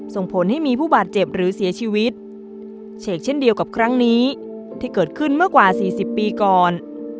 ส่งผลให้มีผู้บาดเจ็บหรือเสียชีวิตเฉกเช่นเดียวกับครั้งนี้ที่เกิดขึ้นเมื่อกว่าสี่สิบปีก่อน